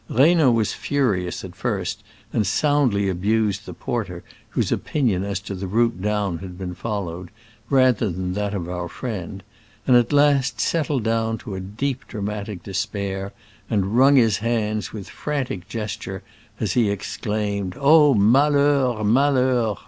Reynaud was fu rious at first, and soundly abused the porter, whose opinion as to the route down had been followed, rather than that of our friend, and at last settled down to a deep dramatic despair, and wrung his hands with frantic gesture, as he exclaimed, "Oh, malheur, malheur!